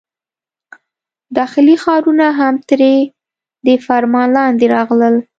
داخلي ښارونه هم تر دې فرمان لاندې راغلل.